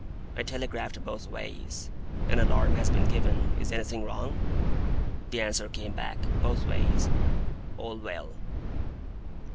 I telegraphed both ways, 'An alarm has been given. Is anything wrong?' The answer came back, both ways, 'All well.